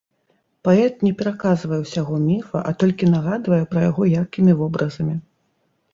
Паэт не пераказвае ўсяго міфа, а толькі нагадвае пра яго яркімі вобразамі.